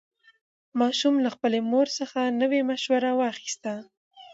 ماشوم له خپلې مور څخه نوې مشوره واخیسته